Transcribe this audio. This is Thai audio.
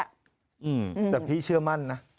ย์แพงแต่พี่เชื่อมั่นนะ